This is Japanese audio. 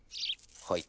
はい。